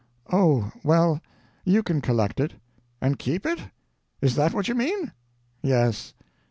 "Oh, well, you can collect it." "And keep it? Is that what you mean?" "Yes."